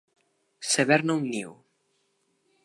Saber-ne un niu.